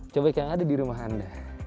cobek yang ada di rumah anda